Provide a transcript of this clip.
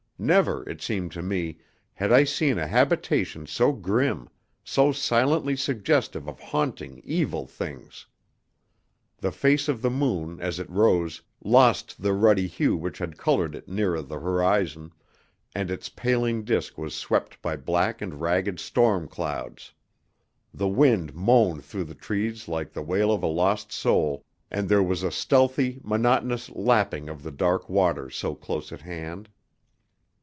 Never, it seemed to me, had I seen a habitation so grim, so silently suggestive of haunting, evil things. The face of the moon, as it rose, lost the ruddy hue which had coloured it nearer the horizon, and its paling disc was swept by black and ragged storm clouds. The wind moaned through the trees like the wail of a lost soul, and there was a stealthy, monotonous lapping of the dark waters so close at hand.